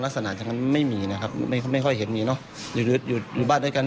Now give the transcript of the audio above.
ลักษณะไม่มีนะครับไม่ค่อยเห็นมีเนาะอยู่บ้านด้วยกัน